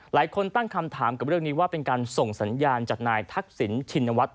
หลายคนตั้งคำถามกับเรื่องนี้ว่าเป็นการส่งสัญญาณจากนายทักษิณชินวัฒน